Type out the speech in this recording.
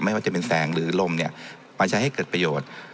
ไม่ว่าจะเป็นแสงหรือลมเนี่ยมาใช้ให้เกิดประโยชน์